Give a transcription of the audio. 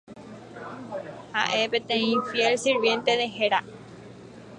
Era un fiel sirviente de Hera.